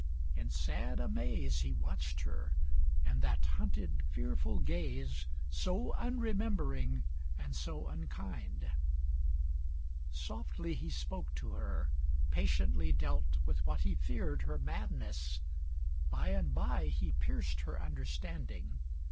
In sad amaze He watched her, and that hunted, fearful gaze, So unremembering and so unkind. XLVIII Softly he spoke to her, patiently dealt With what he feared her madness. By and by He pierced her understanding.